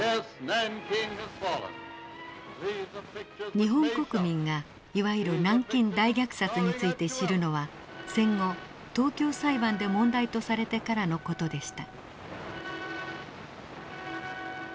日本国民がいわゆる南京大虐殺について知るのは戦後東京裁判で問題とされてからの事でした。